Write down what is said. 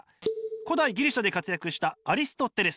古代ギリシアで活躍したアリストテレス。